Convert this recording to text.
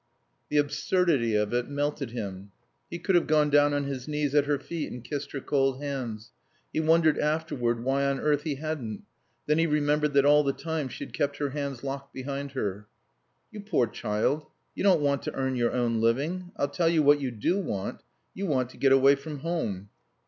The absurdity of it melted him. He could have gone down on his knees at her feet and kissed her cold hands. He wondered afterward why on earth he hadn't. Then he remembered that all the time she had kept her hands locked behind her. "You poor child, you don't want to earn your own living. I'll tell you what you do want. You want to get away from home."